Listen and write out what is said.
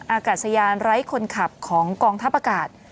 อากาศยานไร้คนขับของกองทัพอากาศ